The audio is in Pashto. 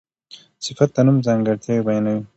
صفت د نوم ځانګړتیا بیانوي.